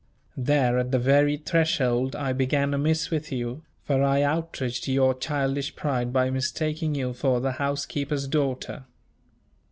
There at the very threshold I began amiss with you, for I outraged your childish pride by mistaking you for the housekeeper's daughter.